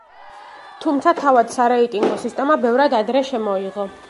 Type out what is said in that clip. თუმცა, თავად სარეიტინგო სისტემა ბევრად ადრე შემოიღო.